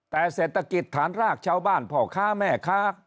แต่เศรษฐกิจฐานรากชาวบ้านพ่อค้าแม่ค้า